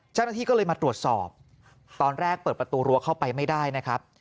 เจ้าหน้าที่ก็เลยมาตรวจสอบตอนแรกเปิดประตูรั้วเข้าไปไม่ได้นะครับ